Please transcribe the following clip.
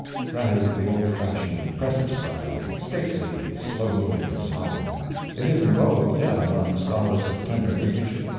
That is the old fashioned impressive style—stately, slow moving and solemn. It is in vogue yet among scholars of tender age.